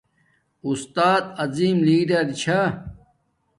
اُستاد عظم لیڑر چھا